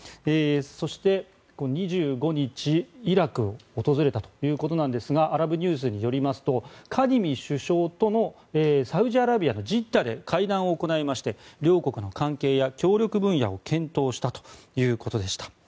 そして、２５日イラクを訪れたということなんですがアラブニュースによりますとカディミ首相とのサウジアラビアのジッダで会談を行いまして、両国の関係や協力分野を検討したということでした。